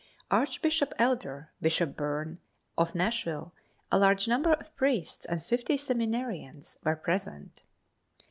Archbishop Elder, Bishop Byrne, of Nashville, a large number of priests and fifty seminarians were present.